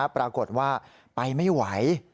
ปรากฏว่าไปไม่ไหว